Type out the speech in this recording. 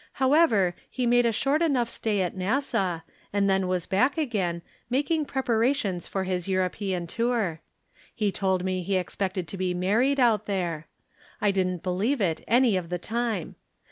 However, he made a short enough stay at Nassau, and then was back again, making preparations for his European tour. He told me he expected to be married out there. I didn't believe it any of the time.